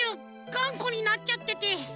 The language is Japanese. がんこになっちゃってて。